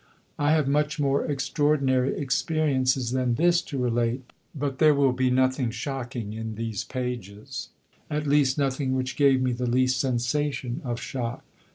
I have much more extraordinary experiences than this to relate, but there will be nothing shocking in these pages at least nothing which gave me the least sensation of shock.